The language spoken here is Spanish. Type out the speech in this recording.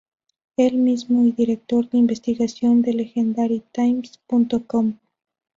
Él mismo, y Director de Investigación de LegendaryTimes.com.